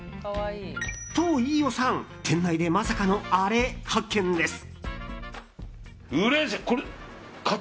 と、飯尾さん店内でまさかのあれ発見です。